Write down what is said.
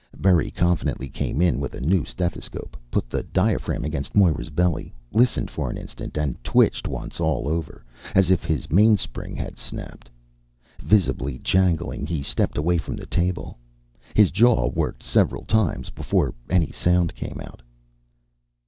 Berry confidently came in with a new stethoscope, put the diaphragm against Moira's belly, listened for an instant and twitched once all over, as if his mainspring had snapped. Visibly jangling, he stepped away from the table. His jaw worked several times before any sound came out.